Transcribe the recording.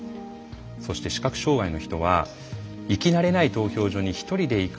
そして視覚障害の人は「行き慣れない投票所に１人で行くのが怖い」。